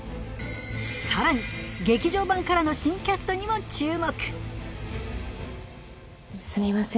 さらに劇場版からの新キャストにも注目すみません